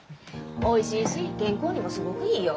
おいしいし健康にもすごくいいよ。